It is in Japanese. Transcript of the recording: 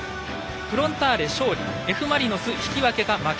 フロンターレ勝利Ｆ・マリノス引き分けか負け。